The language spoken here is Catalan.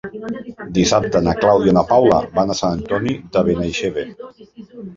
Dissabte na Clàudia i na Paula van a Sant Antoni de Benaixeve.